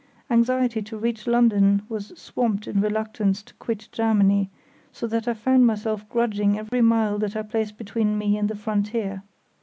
Anxiety to reach London was swamped in reluctance to quit Germany, so that I found myself grudging every mile that I placed between me and the frontier.